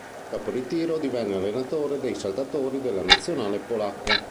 Dopo il ritiro divenne allenatore dei saltatori della nazionale polacca.